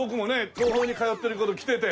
桐朋に通ってる頃来てて。